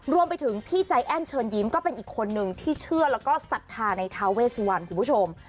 รวมไปถึงพี่ใจแอ้นเชิญยิ้มก็เป็นอีกคนนึงที่เชื่อแล้วก็ศรัทธาในท้าเวสวันคุณผู้ชม